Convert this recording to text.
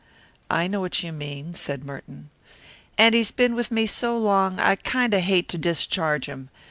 "I know what you mean," said Merton. "And he's been with me so long I kind of hate to discharge him.